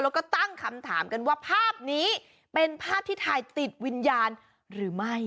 แล้วก็ตั้งคำถามกันว่าภาพนี้เป็นภาพที่ถ่ายติดวิญญาณหรือไม่